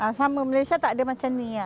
hai sama malaysia tak ada macamnya ya